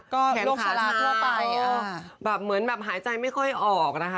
ก็เป็นโรคสาราทั่วไปแบบเหมือนแบบหายใจไม่ค่อยออกนะคะ